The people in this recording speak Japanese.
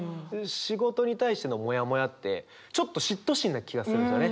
仕事に対してのもやもやってちょっと嫉妬心な気がするんですよね。